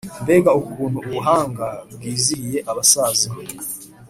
Mbega ukuntu ubuhanga bwizihiye abasaza,